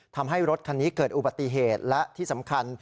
ทำให้รถคันนี้เกิดอุบัติเหตุและที่สำคัญ